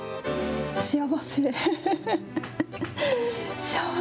幸せ。